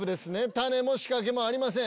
種も仕掛けもありません。